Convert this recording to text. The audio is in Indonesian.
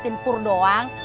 ngeritin pur doang